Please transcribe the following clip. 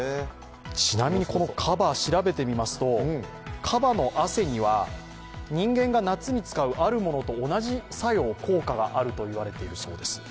ちなみに、このカバ、調べてみますと、カバの汗には人間が夏に使うあるものと同じ作用、効果があるそうです。